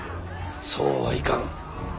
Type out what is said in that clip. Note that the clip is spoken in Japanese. そうはいかん。